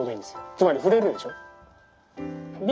つまり振れるでしょ。